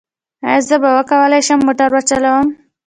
ایا زه به وکولی شم موټر وچلوم؟